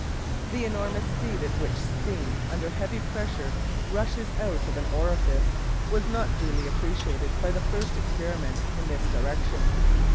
The enormous speed at which steam under heavy pressure rushes out of an orifice was not duly appreciated by the first experimenters in this direction.